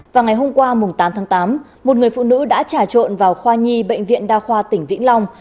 vào ngày hôm qua tám tháng tám một người phụ nữ đã trả trộn vào khoa nhi bệnh viện đa khoa tỉnh vĩnh long